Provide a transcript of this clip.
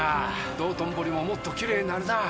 道頓堀ももっときれいになるなぁ。